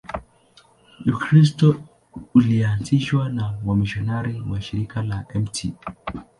Ukristo ulianzishwa na wamisionari wa Shirika la Mt.